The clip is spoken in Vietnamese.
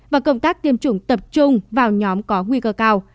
và công tác tiêm chủng tập trung vào nhóm có nguy cơ cao